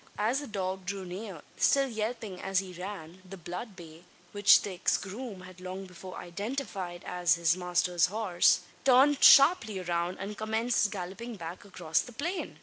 As the dog drew near, still yelping as he ran, the blood bay which the ex groom had long before identified as his master's horse turned sharply round, and commenced galloping back across the plain!